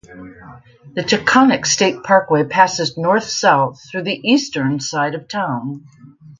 The Taconic State Parkway passes north-south through the eastern side of the town.